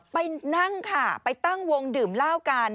ไปนั่งค่ะไปตั้งวงดื่มเหล้ากัน